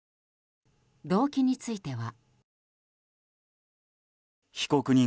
動機については。